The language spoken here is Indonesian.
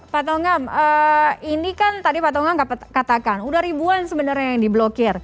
pak tonggap ini kan tadi pak tonggap katakan sudah ribuan sebenarnya yang di blokir